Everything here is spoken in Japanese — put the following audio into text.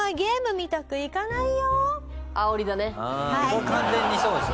もう完全にそうですよね。